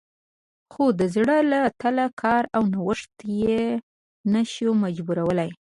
خو د زړه له تله کار او نوښت ته یې نه شو مجبورولی